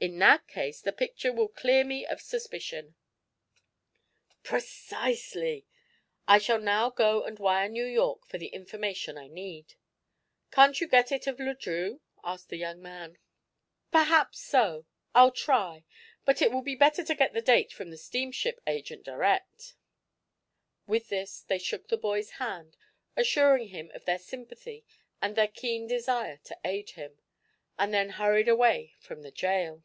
In that case the picture will clear me of suspicion." "Precisely. I shall now go and wire New York for the information I need." "Can't you get it of Le Drieux?" asked the young man. "Perhaps so; I'll try. But it will be better to get the date from the steamship agent direct." With this they shook the boy's hand, assuring him of their sympathy and their keen desire to aid him, and then hurried away from the jail.